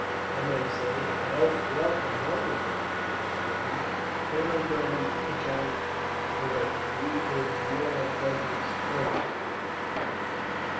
I may say, I hope, welcome home again, Major Drummond!" "Colonel Drummond," the count corrected. "He is one of Frederick's colonels now."